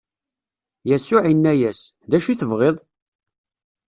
Yasuɛ inna-as: D acu i tebɣiḍ?